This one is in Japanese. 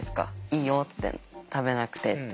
「いいよ」って「食べなくて」って。